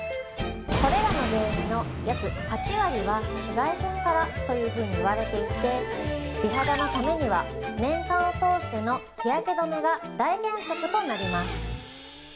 これらの原因の約８割は紫外線からというふうにいわれていて、美肌のためには、年間を通しての日焼け止めが大原則となります。